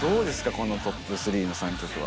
このトップ３の３曲は。